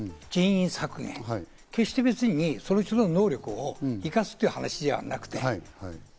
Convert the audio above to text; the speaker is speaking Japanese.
それはひとえに経営、人員削減、決して別にその人らの能力を生かすという話じゃなくて。